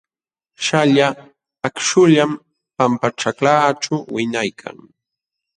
Śhalyaq akśhullam pampaćhaklaaćhu wiñaykan.